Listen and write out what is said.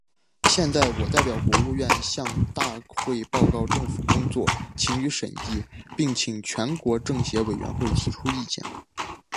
现在，我代表国务院，向大会报告政府工作，请予审议，并请全国政协委员提出意见。